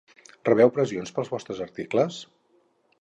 Rebeu pressions pels vostres articles?